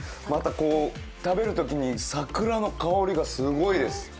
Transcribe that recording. また食べるときに桜の香りがすごいです。